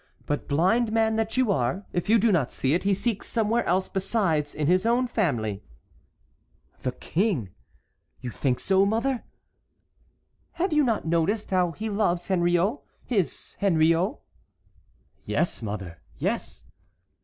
But, blind man that you are if you do not see it, he seeks somewhere else besides in his own family." "The King!—you think so, mother?" "Have you not noticed how he loves Henriot, his Henriot?" "Yes, mother, yes."